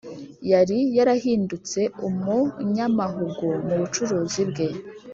yari yarahindutse umunyamahugu mu bucuruzi bwe.